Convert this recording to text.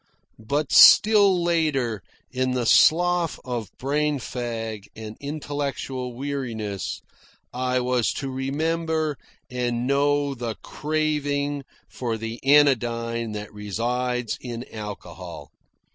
But still later, in the slough of brain fag and intellectual weariness, I was to remember and know the craving for the anodyne that resides in alcohol.